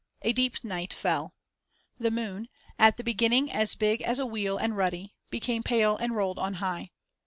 A deep night fell. The moon, at the beginning as big as a wheel and ruddy, became pale and rolled on high.